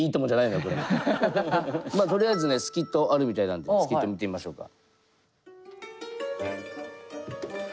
まあとりあえずねスキットあるみたいなんでスキット見てみましょうか。